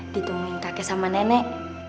ditungguin kakek sama nenek